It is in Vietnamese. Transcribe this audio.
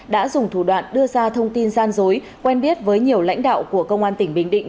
đã dùng thủ đoạn đưa ra thông tin gian dối quen biết với nhiều lãnh đạo của công an tỉnh bình định